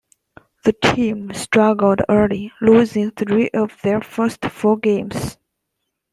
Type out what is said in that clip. The team struggled early, losing three of their first four games.